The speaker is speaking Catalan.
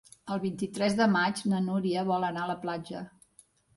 El vint-i-tres de maig na Núria vol anar a la platja.